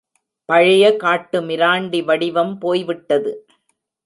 பழைய காட்டுமிராண்டி வடிவம் போய்விட்டது.